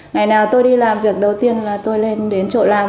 ngày nào tôi đi làm việc đầu tiên là tôi lên đến chỗ làm